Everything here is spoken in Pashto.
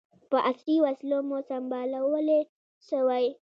په عصري وسلو مو سمبالولای سوای.